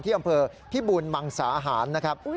ที่อำเภอพิบุลมังศ์สาหารนะครับ